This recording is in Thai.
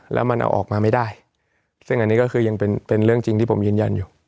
แล้วมันเอาออกมาไม่ได้ซึ่งอันนี้ก็คือยังเป็นเรื่องจริงที่ผมยืนยันอยู่